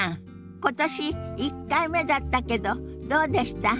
今年１回目だったけどどうでした？